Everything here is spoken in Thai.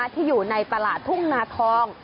ที่อยู่ในตลาดทุ่งนาทอง